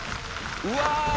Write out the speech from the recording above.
うわ！